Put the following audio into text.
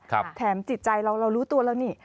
ครับแถมจิตใจเรารู้ตัวแล้วนี่